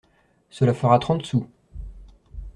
Cela fera trente sous.